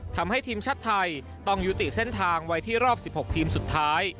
ทำให้ทีมชาติไทยต้องยุติเส้นทางไว้ที่รอบ๑๖ทีมสุดท้าย